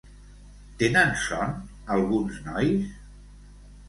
Tenen son alguns nois?